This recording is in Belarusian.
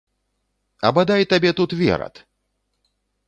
А бадай табе тут верад!